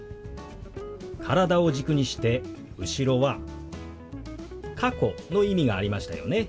体を軸にして後ろは「過去」の意味がありましたよね。